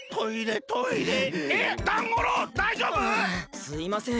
ああすいません。